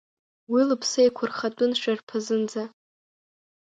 Уи лыԥсы еиқәырхатәын шарԥазынӡа.